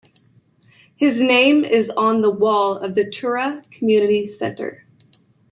His name is on the wall of the Tura Community Centre.